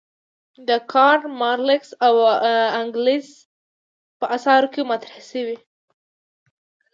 د کارل مارکس او انګلز په اثارو کې مطرح شوې.